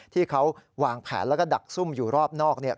ที่เขาวางแผนแล้วก็ดักซุ่มอยู่รอบนอกเนี่ย